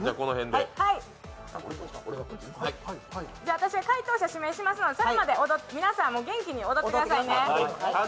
私が解答者を指名しますので、皆さん、元気に踊ってくださいね！